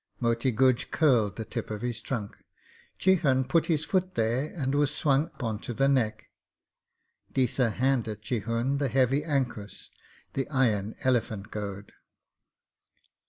Moti Guj curled the tip of his trunk, Chihun put his foot there and was swung on to the neck. Deesa handed Chihun the heavy ankus, the iron elephant goad.